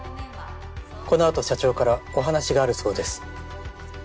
この後社長からお話があるそうです。